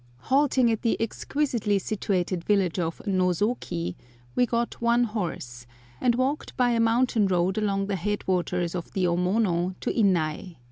Halting at the exquisitely situated village of Nosoki, we got one horse, and walked by a mountain road along the head waters of the Omono to Innai.